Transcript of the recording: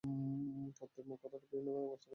তত্ত্বের মূল কথাটা বিভিন্নভাবে হয়তো অনেকেই জানেন।